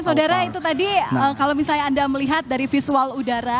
saudara itu tadi kalau misalnya anda melihat dari visual udara